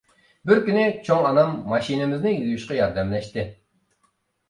بىر كۈنى چوڭ ئانام ماشىنىمىزنى يۇيۇشقا ياردەملەشتى.